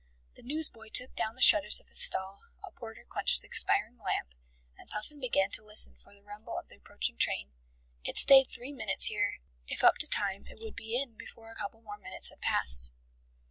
The news boy took down the shutters of his stall, a porter quenched the expiring lamp, and Puffin began to listen for the rumble of the approaching train. It stayed three minutes here: if up to time it would be in before a couple more minutes had passed.